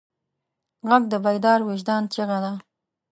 غږ د بیدار وجدان چیغه ده